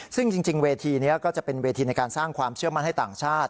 ซึ่งจริงเวทีนี้ก็จะเป็นเวทีในการสร้างความเชื่อมั่นให้ต่างชาติ